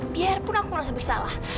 biarpun aku merasa bersalah